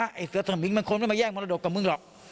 ไอ้เสือสมิงมันควรไม่มาแย่งมรดกกับมึงหรอก